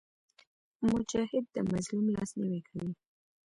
مجاهد د مظلوم لاسنیوی کوي.